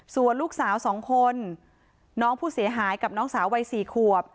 ส่วนลูกสาว๒คนน้องผู้เสียหายกับน้องสาววัย๔ขวบ